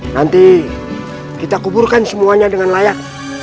nanti kita kuburkan semuanya dengan layak